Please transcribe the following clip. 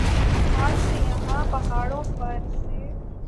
مارچ سے یہاں پہاڑوں پر سے